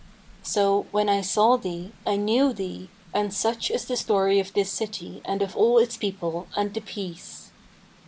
So, when I saw thee, I knew thee and such is the story of this city and of its people, and the Peace!'"